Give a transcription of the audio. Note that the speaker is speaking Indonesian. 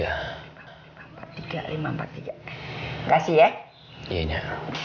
abang mau di bank ya